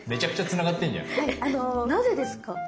なぜですか？